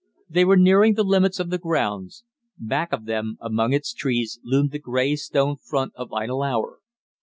They were nearing the limits of the grounds; back of them, among its trees, loomed the gray stone front of Idle Hour.